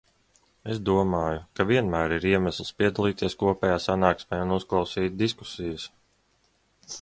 Es domāju, ka vienmēr ir iemesls piedalīties kopējā sanāksmē un uzklausīt diskusijas.